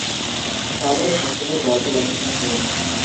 তাদের সাফল্যের গল্প লেখা হতো।